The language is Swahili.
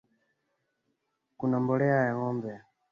Kuna mbolea ya ngombe